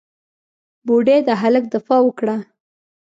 بوډۍ د هلک دفاع وکړه.